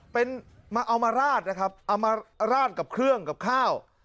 เป็นมาเอามาราดนะครับเอามาราดกับเครื่องกับข้าว